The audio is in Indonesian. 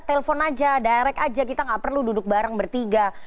telepon aja direct aja kita nggak perlu duduk bareng bertiga